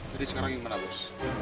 jadi sekarang gimana bos